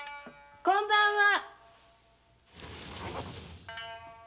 ・こんばんは！